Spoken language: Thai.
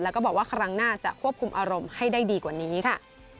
แล้วก็บอกว่าครั้งหน้าจะควบคุมอารมณ์ให้ได้ดีกว่านี้ค่ะ